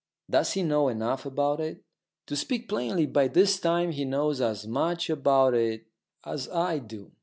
"Does he know enough about it?" "To speak plainly, by this time he knows as much about it as I do.